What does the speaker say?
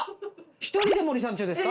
１人で森三中ですか？